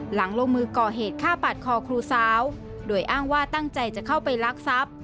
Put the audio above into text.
หลังลงมือก่อเหตุฆ่าปาดคอครูสาวโดยอ้างว่าตั้งใจจะเข้าไปลักทรัพย์